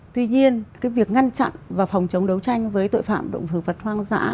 tuy nhiên cái việc ngăn chặn và phòng chống đấu tranh với tội phạm động vật hoang dã